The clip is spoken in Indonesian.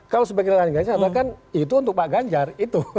kalau sebagai relawan ganjar bahkan itu untuk pak ganjar itu